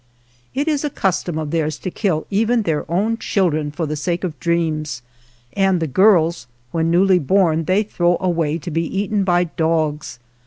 It is a custom of theirs to kill even their own children for the sake of dreams, and the girls when newly born they throw away to be eaten by dogs.